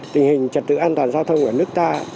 tình hình trật tự an toàn giao thông ở nước ta